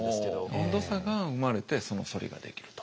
温度差が生まれてその反りができると。